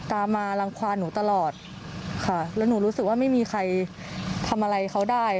ตามมารังความหนูตลอดค่ะแล้วหนูรู้สึกว่าไม่มีใครทำอะไรเขาได้